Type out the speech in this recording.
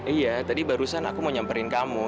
iya tadi barusan aku mau nyamperin kamu